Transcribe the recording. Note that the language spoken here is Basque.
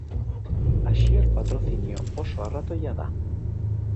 Axier Patrocinio, oso arratoia da